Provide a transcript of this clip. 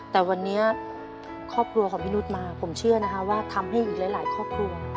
แต่วันนี้ครอบครัวของพี่นุษย์มาผมเชื่อนะคะว่าทำให้อีกหลายครอบครัว